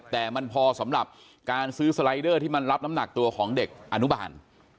แต่มันพอสำหรับการซื้อสไลเดอร์ที่มันรับน้ำหนักตัวของเด็กอนุบาล